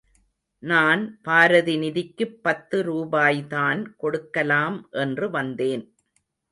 நான் பாரதி நிதிக்குப் பத்து ரூபாய்தான் கொடுக்கலாம் என்று வந்தேன்.